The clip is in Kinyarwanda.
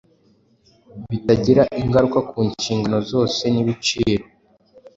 bitagira ingaruka ku nshingano zose nibiciro